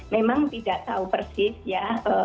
memang tidak tahu persis ya